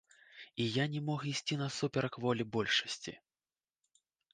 І я не мог ісці насуперак волі большасці.